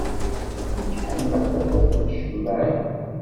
Nekk ḥemmleɣ tafat n tcemmaɛin.